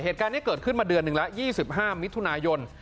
เหตุการณ์นี้เกิดขึ้นมาเดือนหนึ่งแล้ว๒๕มิถุนายน